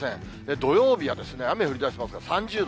土曜日は雨降りだしますが、３０度。